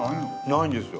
ないんですよ。